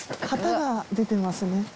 旗が出てますね。